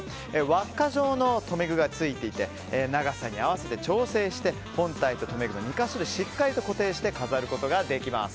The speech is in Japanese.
輪っか状の留め具がついていて長さに合わせて調整して本体と留め具の２か所でしっかりと固定して飾ることができます。